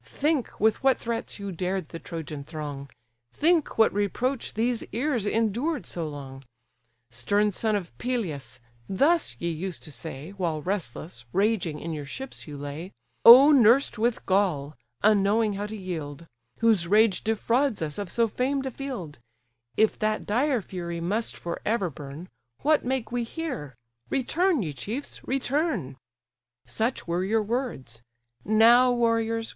Think with what threats you dared the Trojan throng, Think what reproach these ears endured so long; 'Stern son of Peleus, (thus ye used to say, While restless, raging, in your ships you lay) Oh nursed with gall, unknowing how to yield; Whose rage defrauds us of so famed a field: If that dire fury must for ever burn, What make we here? Return, ye chiefs, return!' Such were your words—Now, warriors!